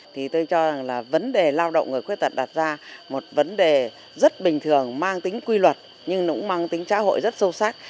thì tôi cho rằng là vấn đề lao động người khuyết tật đặt ra một vấn đề rất bình thường mang tính quy luật nhưng nó cũng mang tính xã hội rất sâu sắc